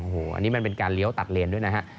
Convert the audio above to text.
โอ้โหอันนี้มันเป็นการเลี้ยวตัดเลนด้วยนะฮะ